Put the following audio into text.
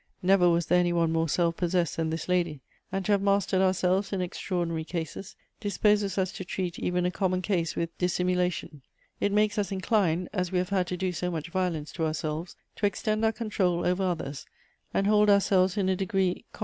Never was there any one more self possessed than this lady; and to have mastered ourselves in extraordinary cases, disposes us to ti'eat even a common case with dissimulation — it makes us inclined, as we have had to do so much violence to ourselves, to extend our control over others, and hold ourselves in a degree comp